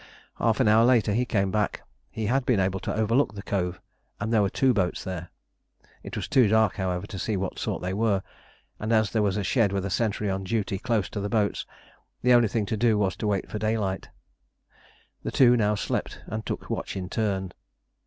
Half an hour later he came back. He had been able to overlook the cove, and there were two boats there. It was too dark, however, to see of what sort they were, and as there was a shed with a sentry on duty close to the boats, the only thing to do was to wait for daylight. The two now slept and took watch in turn.